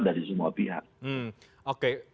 dari semua pihak oke